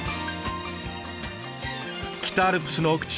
北アルプスの奥地